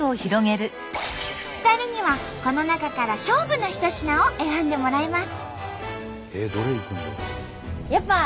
２人にはこの中から勝負の一品を選んでもらいます！